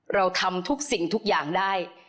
เราทำทุกสิ่งทุกอย่างได้